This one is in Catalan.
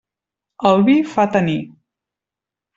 El vi fa tenir.